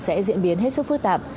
sẽ diễn biến hết sức phức tạp